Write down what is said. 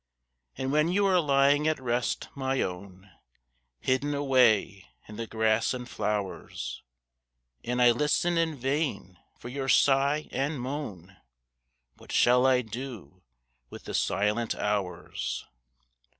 And when you are lying at rest, my own, Hidden away in the grass and flowers, And I listen in vain for your sigh and moan, What shall I do with the silent hours?